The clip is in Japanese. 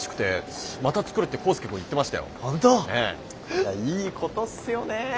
いやいいことっすよね。